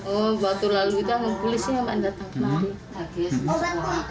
oh waktu lalu itu polisnya datang kembali